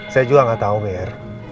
saya juga gak tau mir